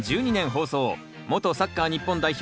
元サッカー日本代表